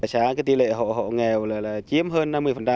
xã tỷ lệ hộ nghèo là chiếm hơn năm mươi